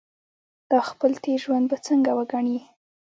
دا خپل تېر ژوند به څنګه وګڼي.